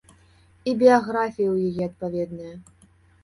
І біяграфія ў яе адпаведная.